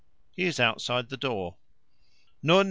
He is outside the door.